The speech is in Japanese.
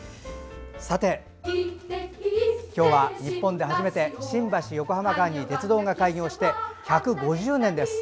さて、今日は日本で初めて新橋横浜間に鉄道が開業して１５０年です。